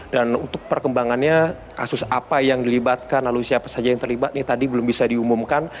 dan untuk perkembangannya kasus apa yang dilibatkan lalu siapa saja yang terlibat ini tadi belum bisa diumumkan